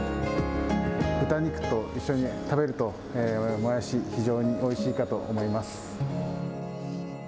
豚肉と一緒に食べると、もやし、非常においしいかと思います。